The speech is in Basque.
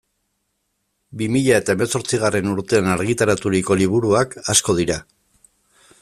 Bi mila eta hemezortzigarren urtean argitaraturiko liburuak asko dira.